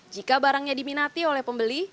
jika barangnya diminati oleh pembeli